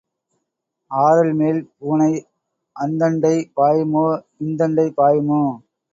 ஆரல்மேல் பூனை அந்தண்டை பாயுமோ இந்தண்டை பாயுமோ?